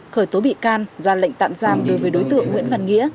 khởi tố bị can ra lệnh tạm giam đối với đối tượng nguyễn văn nghĩa